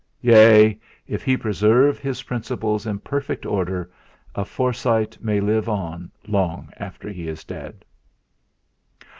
yea! If he preserve his principles in perfect order, a Forsyte may live on long after he is dead.